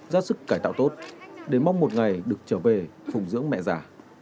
ra sức cải tạo tốt để mong một ngày được trở về phùng dưỡng mẹ già